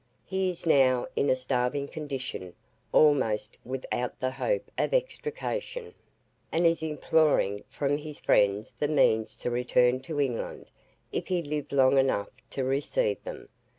He is now in a starving condition, almost with out the hope of extrication, and is imploring from his friends the means to return to England, if he live long enough to receive them.